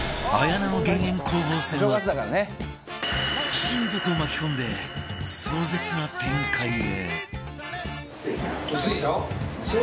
親族を巻き込んで壮絶な展開へ